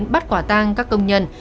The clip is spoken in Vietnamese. bắt quả tang các công nhân